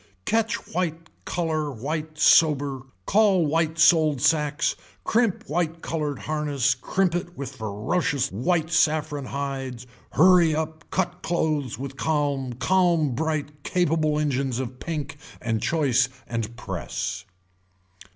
Catch white color white sober, call white sold sacks, crimp white colored harness crimp it with ferocious white saffron hides, hurry up cut clothes with calm calm bright capable engines of pink and choice and press.